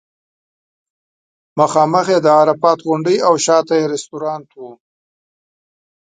مخامخ یې د عرفات غونډۍ او شاته یې رستورانټ و.